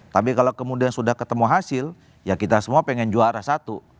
tapi kalau kemudian sudah ketemu hasil ya kita semua pengen juara satu